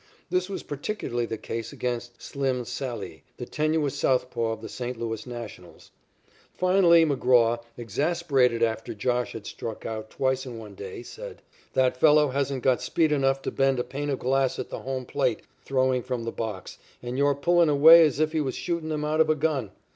This was particularly the case against "Slim" Sallee, the tenuous southpaw of the St. Louis Nationals. Finally McGraw, exasperated after "Josh" had struck out twice in one day, said: "That fellow hasn't got speed enough to bend a pane of glass at the home plate throwing from the box, and you're pullin' away as if he was shooting them out of a gun.